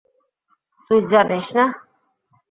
তুই জানিস না?